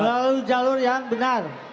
lalu jalur yang benar